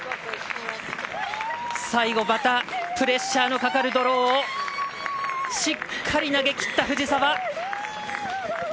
最後、またプレッシャーのかかるドローをしっかり投げきった藤澤。